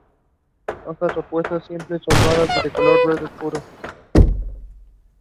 Hojas opuestas, simples, ovaladas y de color verde oscuro.